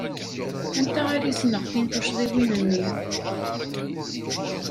Anta ara iseɣtin tuccḍiwin-nni?